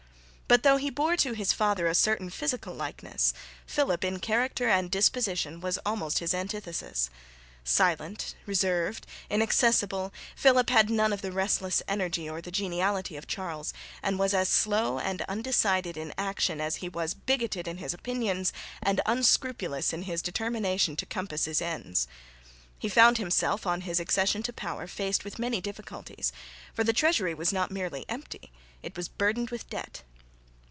But though he bore to his father a certain physical likeness, Philip in character and disposition was almost his antithesis. Silent, reserved, inaccessible, Philip had none of the restless energy or the geniality of Charles, and was as slow and undecided in action as he was bigoted in his opinions and unscrupulous in his determination to compass his ends. He found himself on his accession to power faced with many difficulties, for the treasury was not merely empty, it was burdened with debt.